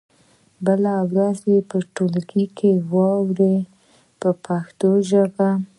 بله ورځ یې په ټولګي کې واورئ په پښتو ژبه.